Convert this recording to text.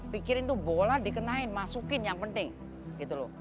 pikirin tuh bola dikenain masukin yang penting gitu loh